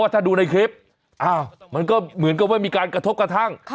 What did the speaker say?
ถ้าดูในคลิปมันก็เหมือนกับว่ามีการกระทบกระทั่ง